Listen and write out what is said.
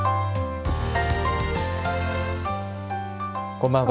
こんばんは。